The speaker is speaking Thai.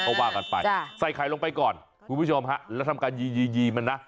ก็ว่ากันไปใส่ไข่ลงไปก่อนคุณผู้ชมฮะแล้วทำการยียีมันนะ